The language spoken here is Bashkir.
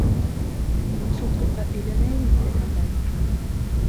Мин шул ҡыҙға өйләнәйемсе, атай.